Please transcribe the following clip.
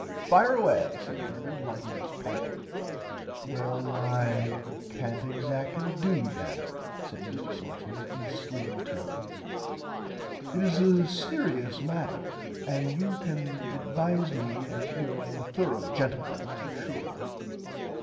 Fire away said Bernard lighting his pipe. Well I cant exactly do that said Mr Salteena in slow tones it is a searious matter and you can advise me as you are a thorugh gentleman I am sure.